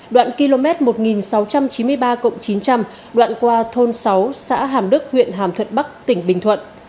đoạn km một nghìn sáu trăm chín mươi ba chín trăm linh đoạn qua thôn sáu xã hàm đức huyện hàm thuận bắc tỉnh bình thuận